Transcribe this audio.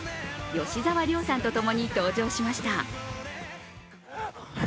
吉沢亮さんとともに登場しました。